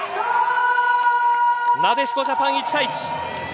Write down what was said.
なでしこジャパン、１対１。